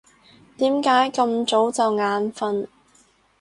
點解咁早就眼瞓？